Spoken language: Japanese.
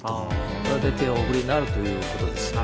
それで手をお振りになるということです。